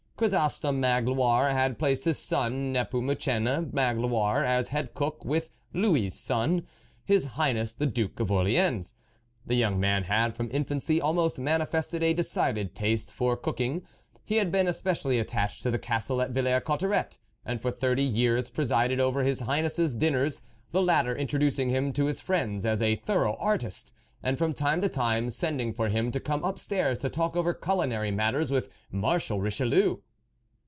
Chrysostom Magloire had placed his son N6pomucene Magloire, as head cook with Louis' son, his Highness the Duke of Orleans. The young man had, from infancy al most, manifested a decided taste for cook ing ; he had been especially attached to the Castle at Villers Cotterets, and for thirty years presided over his Highness's dinners, the latter introducing him to his friends as a thorough artist, and from time to time, sending for him to come up stairs to talk over culinary matters with Marshal Richelieu.